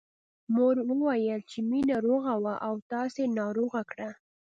مور وويل چې مينه روغه وه او تاسې ناروغه کړه